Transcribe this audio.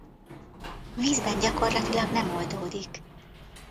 Vízben gyakorlatilag nem oldódik.